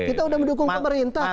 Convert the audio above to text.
kita sudah mendukung pemerintah